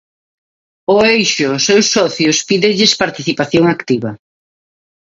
O Eixo aos seus socios pídelles participación activa.